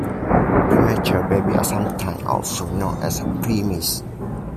Premature babies are sometimes also known as preemies.